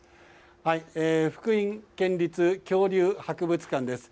福井県立恐竜博物館です。